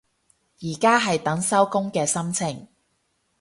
而家係等收工嘅心情